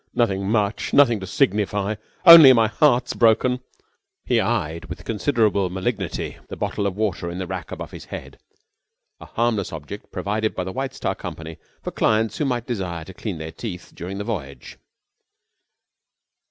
Nothing much. Nothing to signify. Only my heart's broken." He eyed with considerable malignity the bottle of water in the rack above his head, a harmless object provided by the White Star Company for clients who might desire to clean their teeth during the voyage.